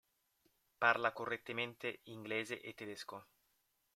Parla correntemente inglese e tedesco.